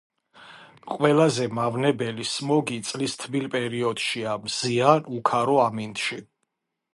ყველაზე მავნებელი სმოგი წლის თბილ პერიოდშია, მზიან უქარო ამინდში.